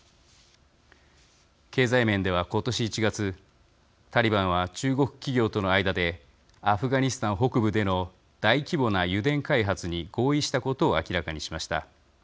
経済面では今年１月タリバンは中国企業との間でアフガニスタン北部での大規模な油田開発に合意したことを明らかにしました。